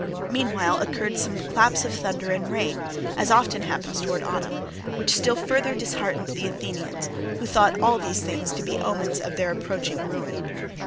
Meanwhile occurred some claps of thunder and rain, as often happens towards autumn, which still further disheartened the Athenians, who thought all these things to be omens of their approaching ruin.